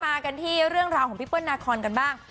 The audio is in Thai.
มากันที่เรื่องราวของพี่เปิ้ลนาคอนกันบ้าง